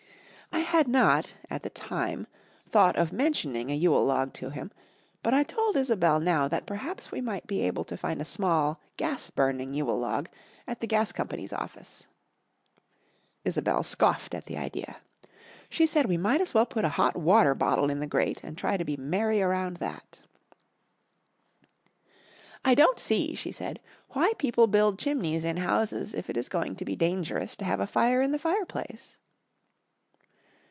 I had not, at the time, thought of mentioning a Yule log to him, but I told Isobel now that perhaps we might be able to find a small, gas burning Yule log at the gas company's office. Isobel scoffed at the idea. She said we might as well put a hot water bottle in the grate and try to be merry around that. "I don't see," she said, "why people build chimneys in houses if it is going to be dangerous to have a fire in the fireplace."